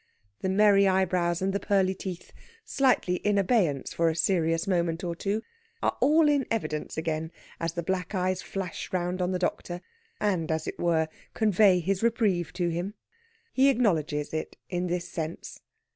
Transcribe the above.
The merry eyebrows and the pearly teeth, slightly in abeyance for a serious moment or two, are all in evidence again as the black eyes flash round on the doctor, and, as it were, convey his reprieve to him. He acknowledges it in this sense.